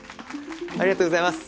ありがとうございます。